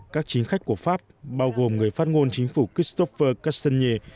các chính khách của pháp bao gồm người phát ngôn chính phủ christopher castagne